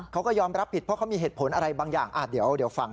เขาก็ยอมรับผิดเพราะมีเหตุผลอะไรบางอย่าง